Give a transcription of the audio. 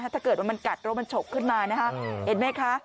ถ้าเกิดว่ามันกัดรถมันฉกขึ้นมานะคะเห็นไหมคะ